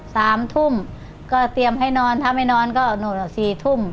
สามทุ่มก็เตรียมให้นอนถ้าไม่นอนก็นู่นอ่ะสี่ทุ่ม